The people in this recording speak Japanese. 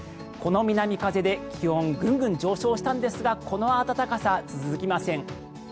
この南風で気温がグングン上昇したんですがこの暖かさ、続きません。